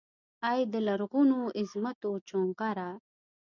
ای دلرغونوعظمتوچونغره!